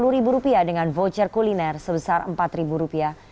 sepuluh ribu rupiah dengan voucher kuliner sebesar empat ribu rupiah